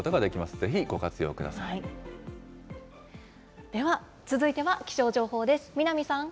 ぜひご活では、続いては気象情報です。